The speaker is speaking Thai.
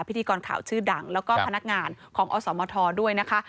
พิธีกรข่าวชื่อดังแล้วก็พนักงานของอสมทด้วยนะคะ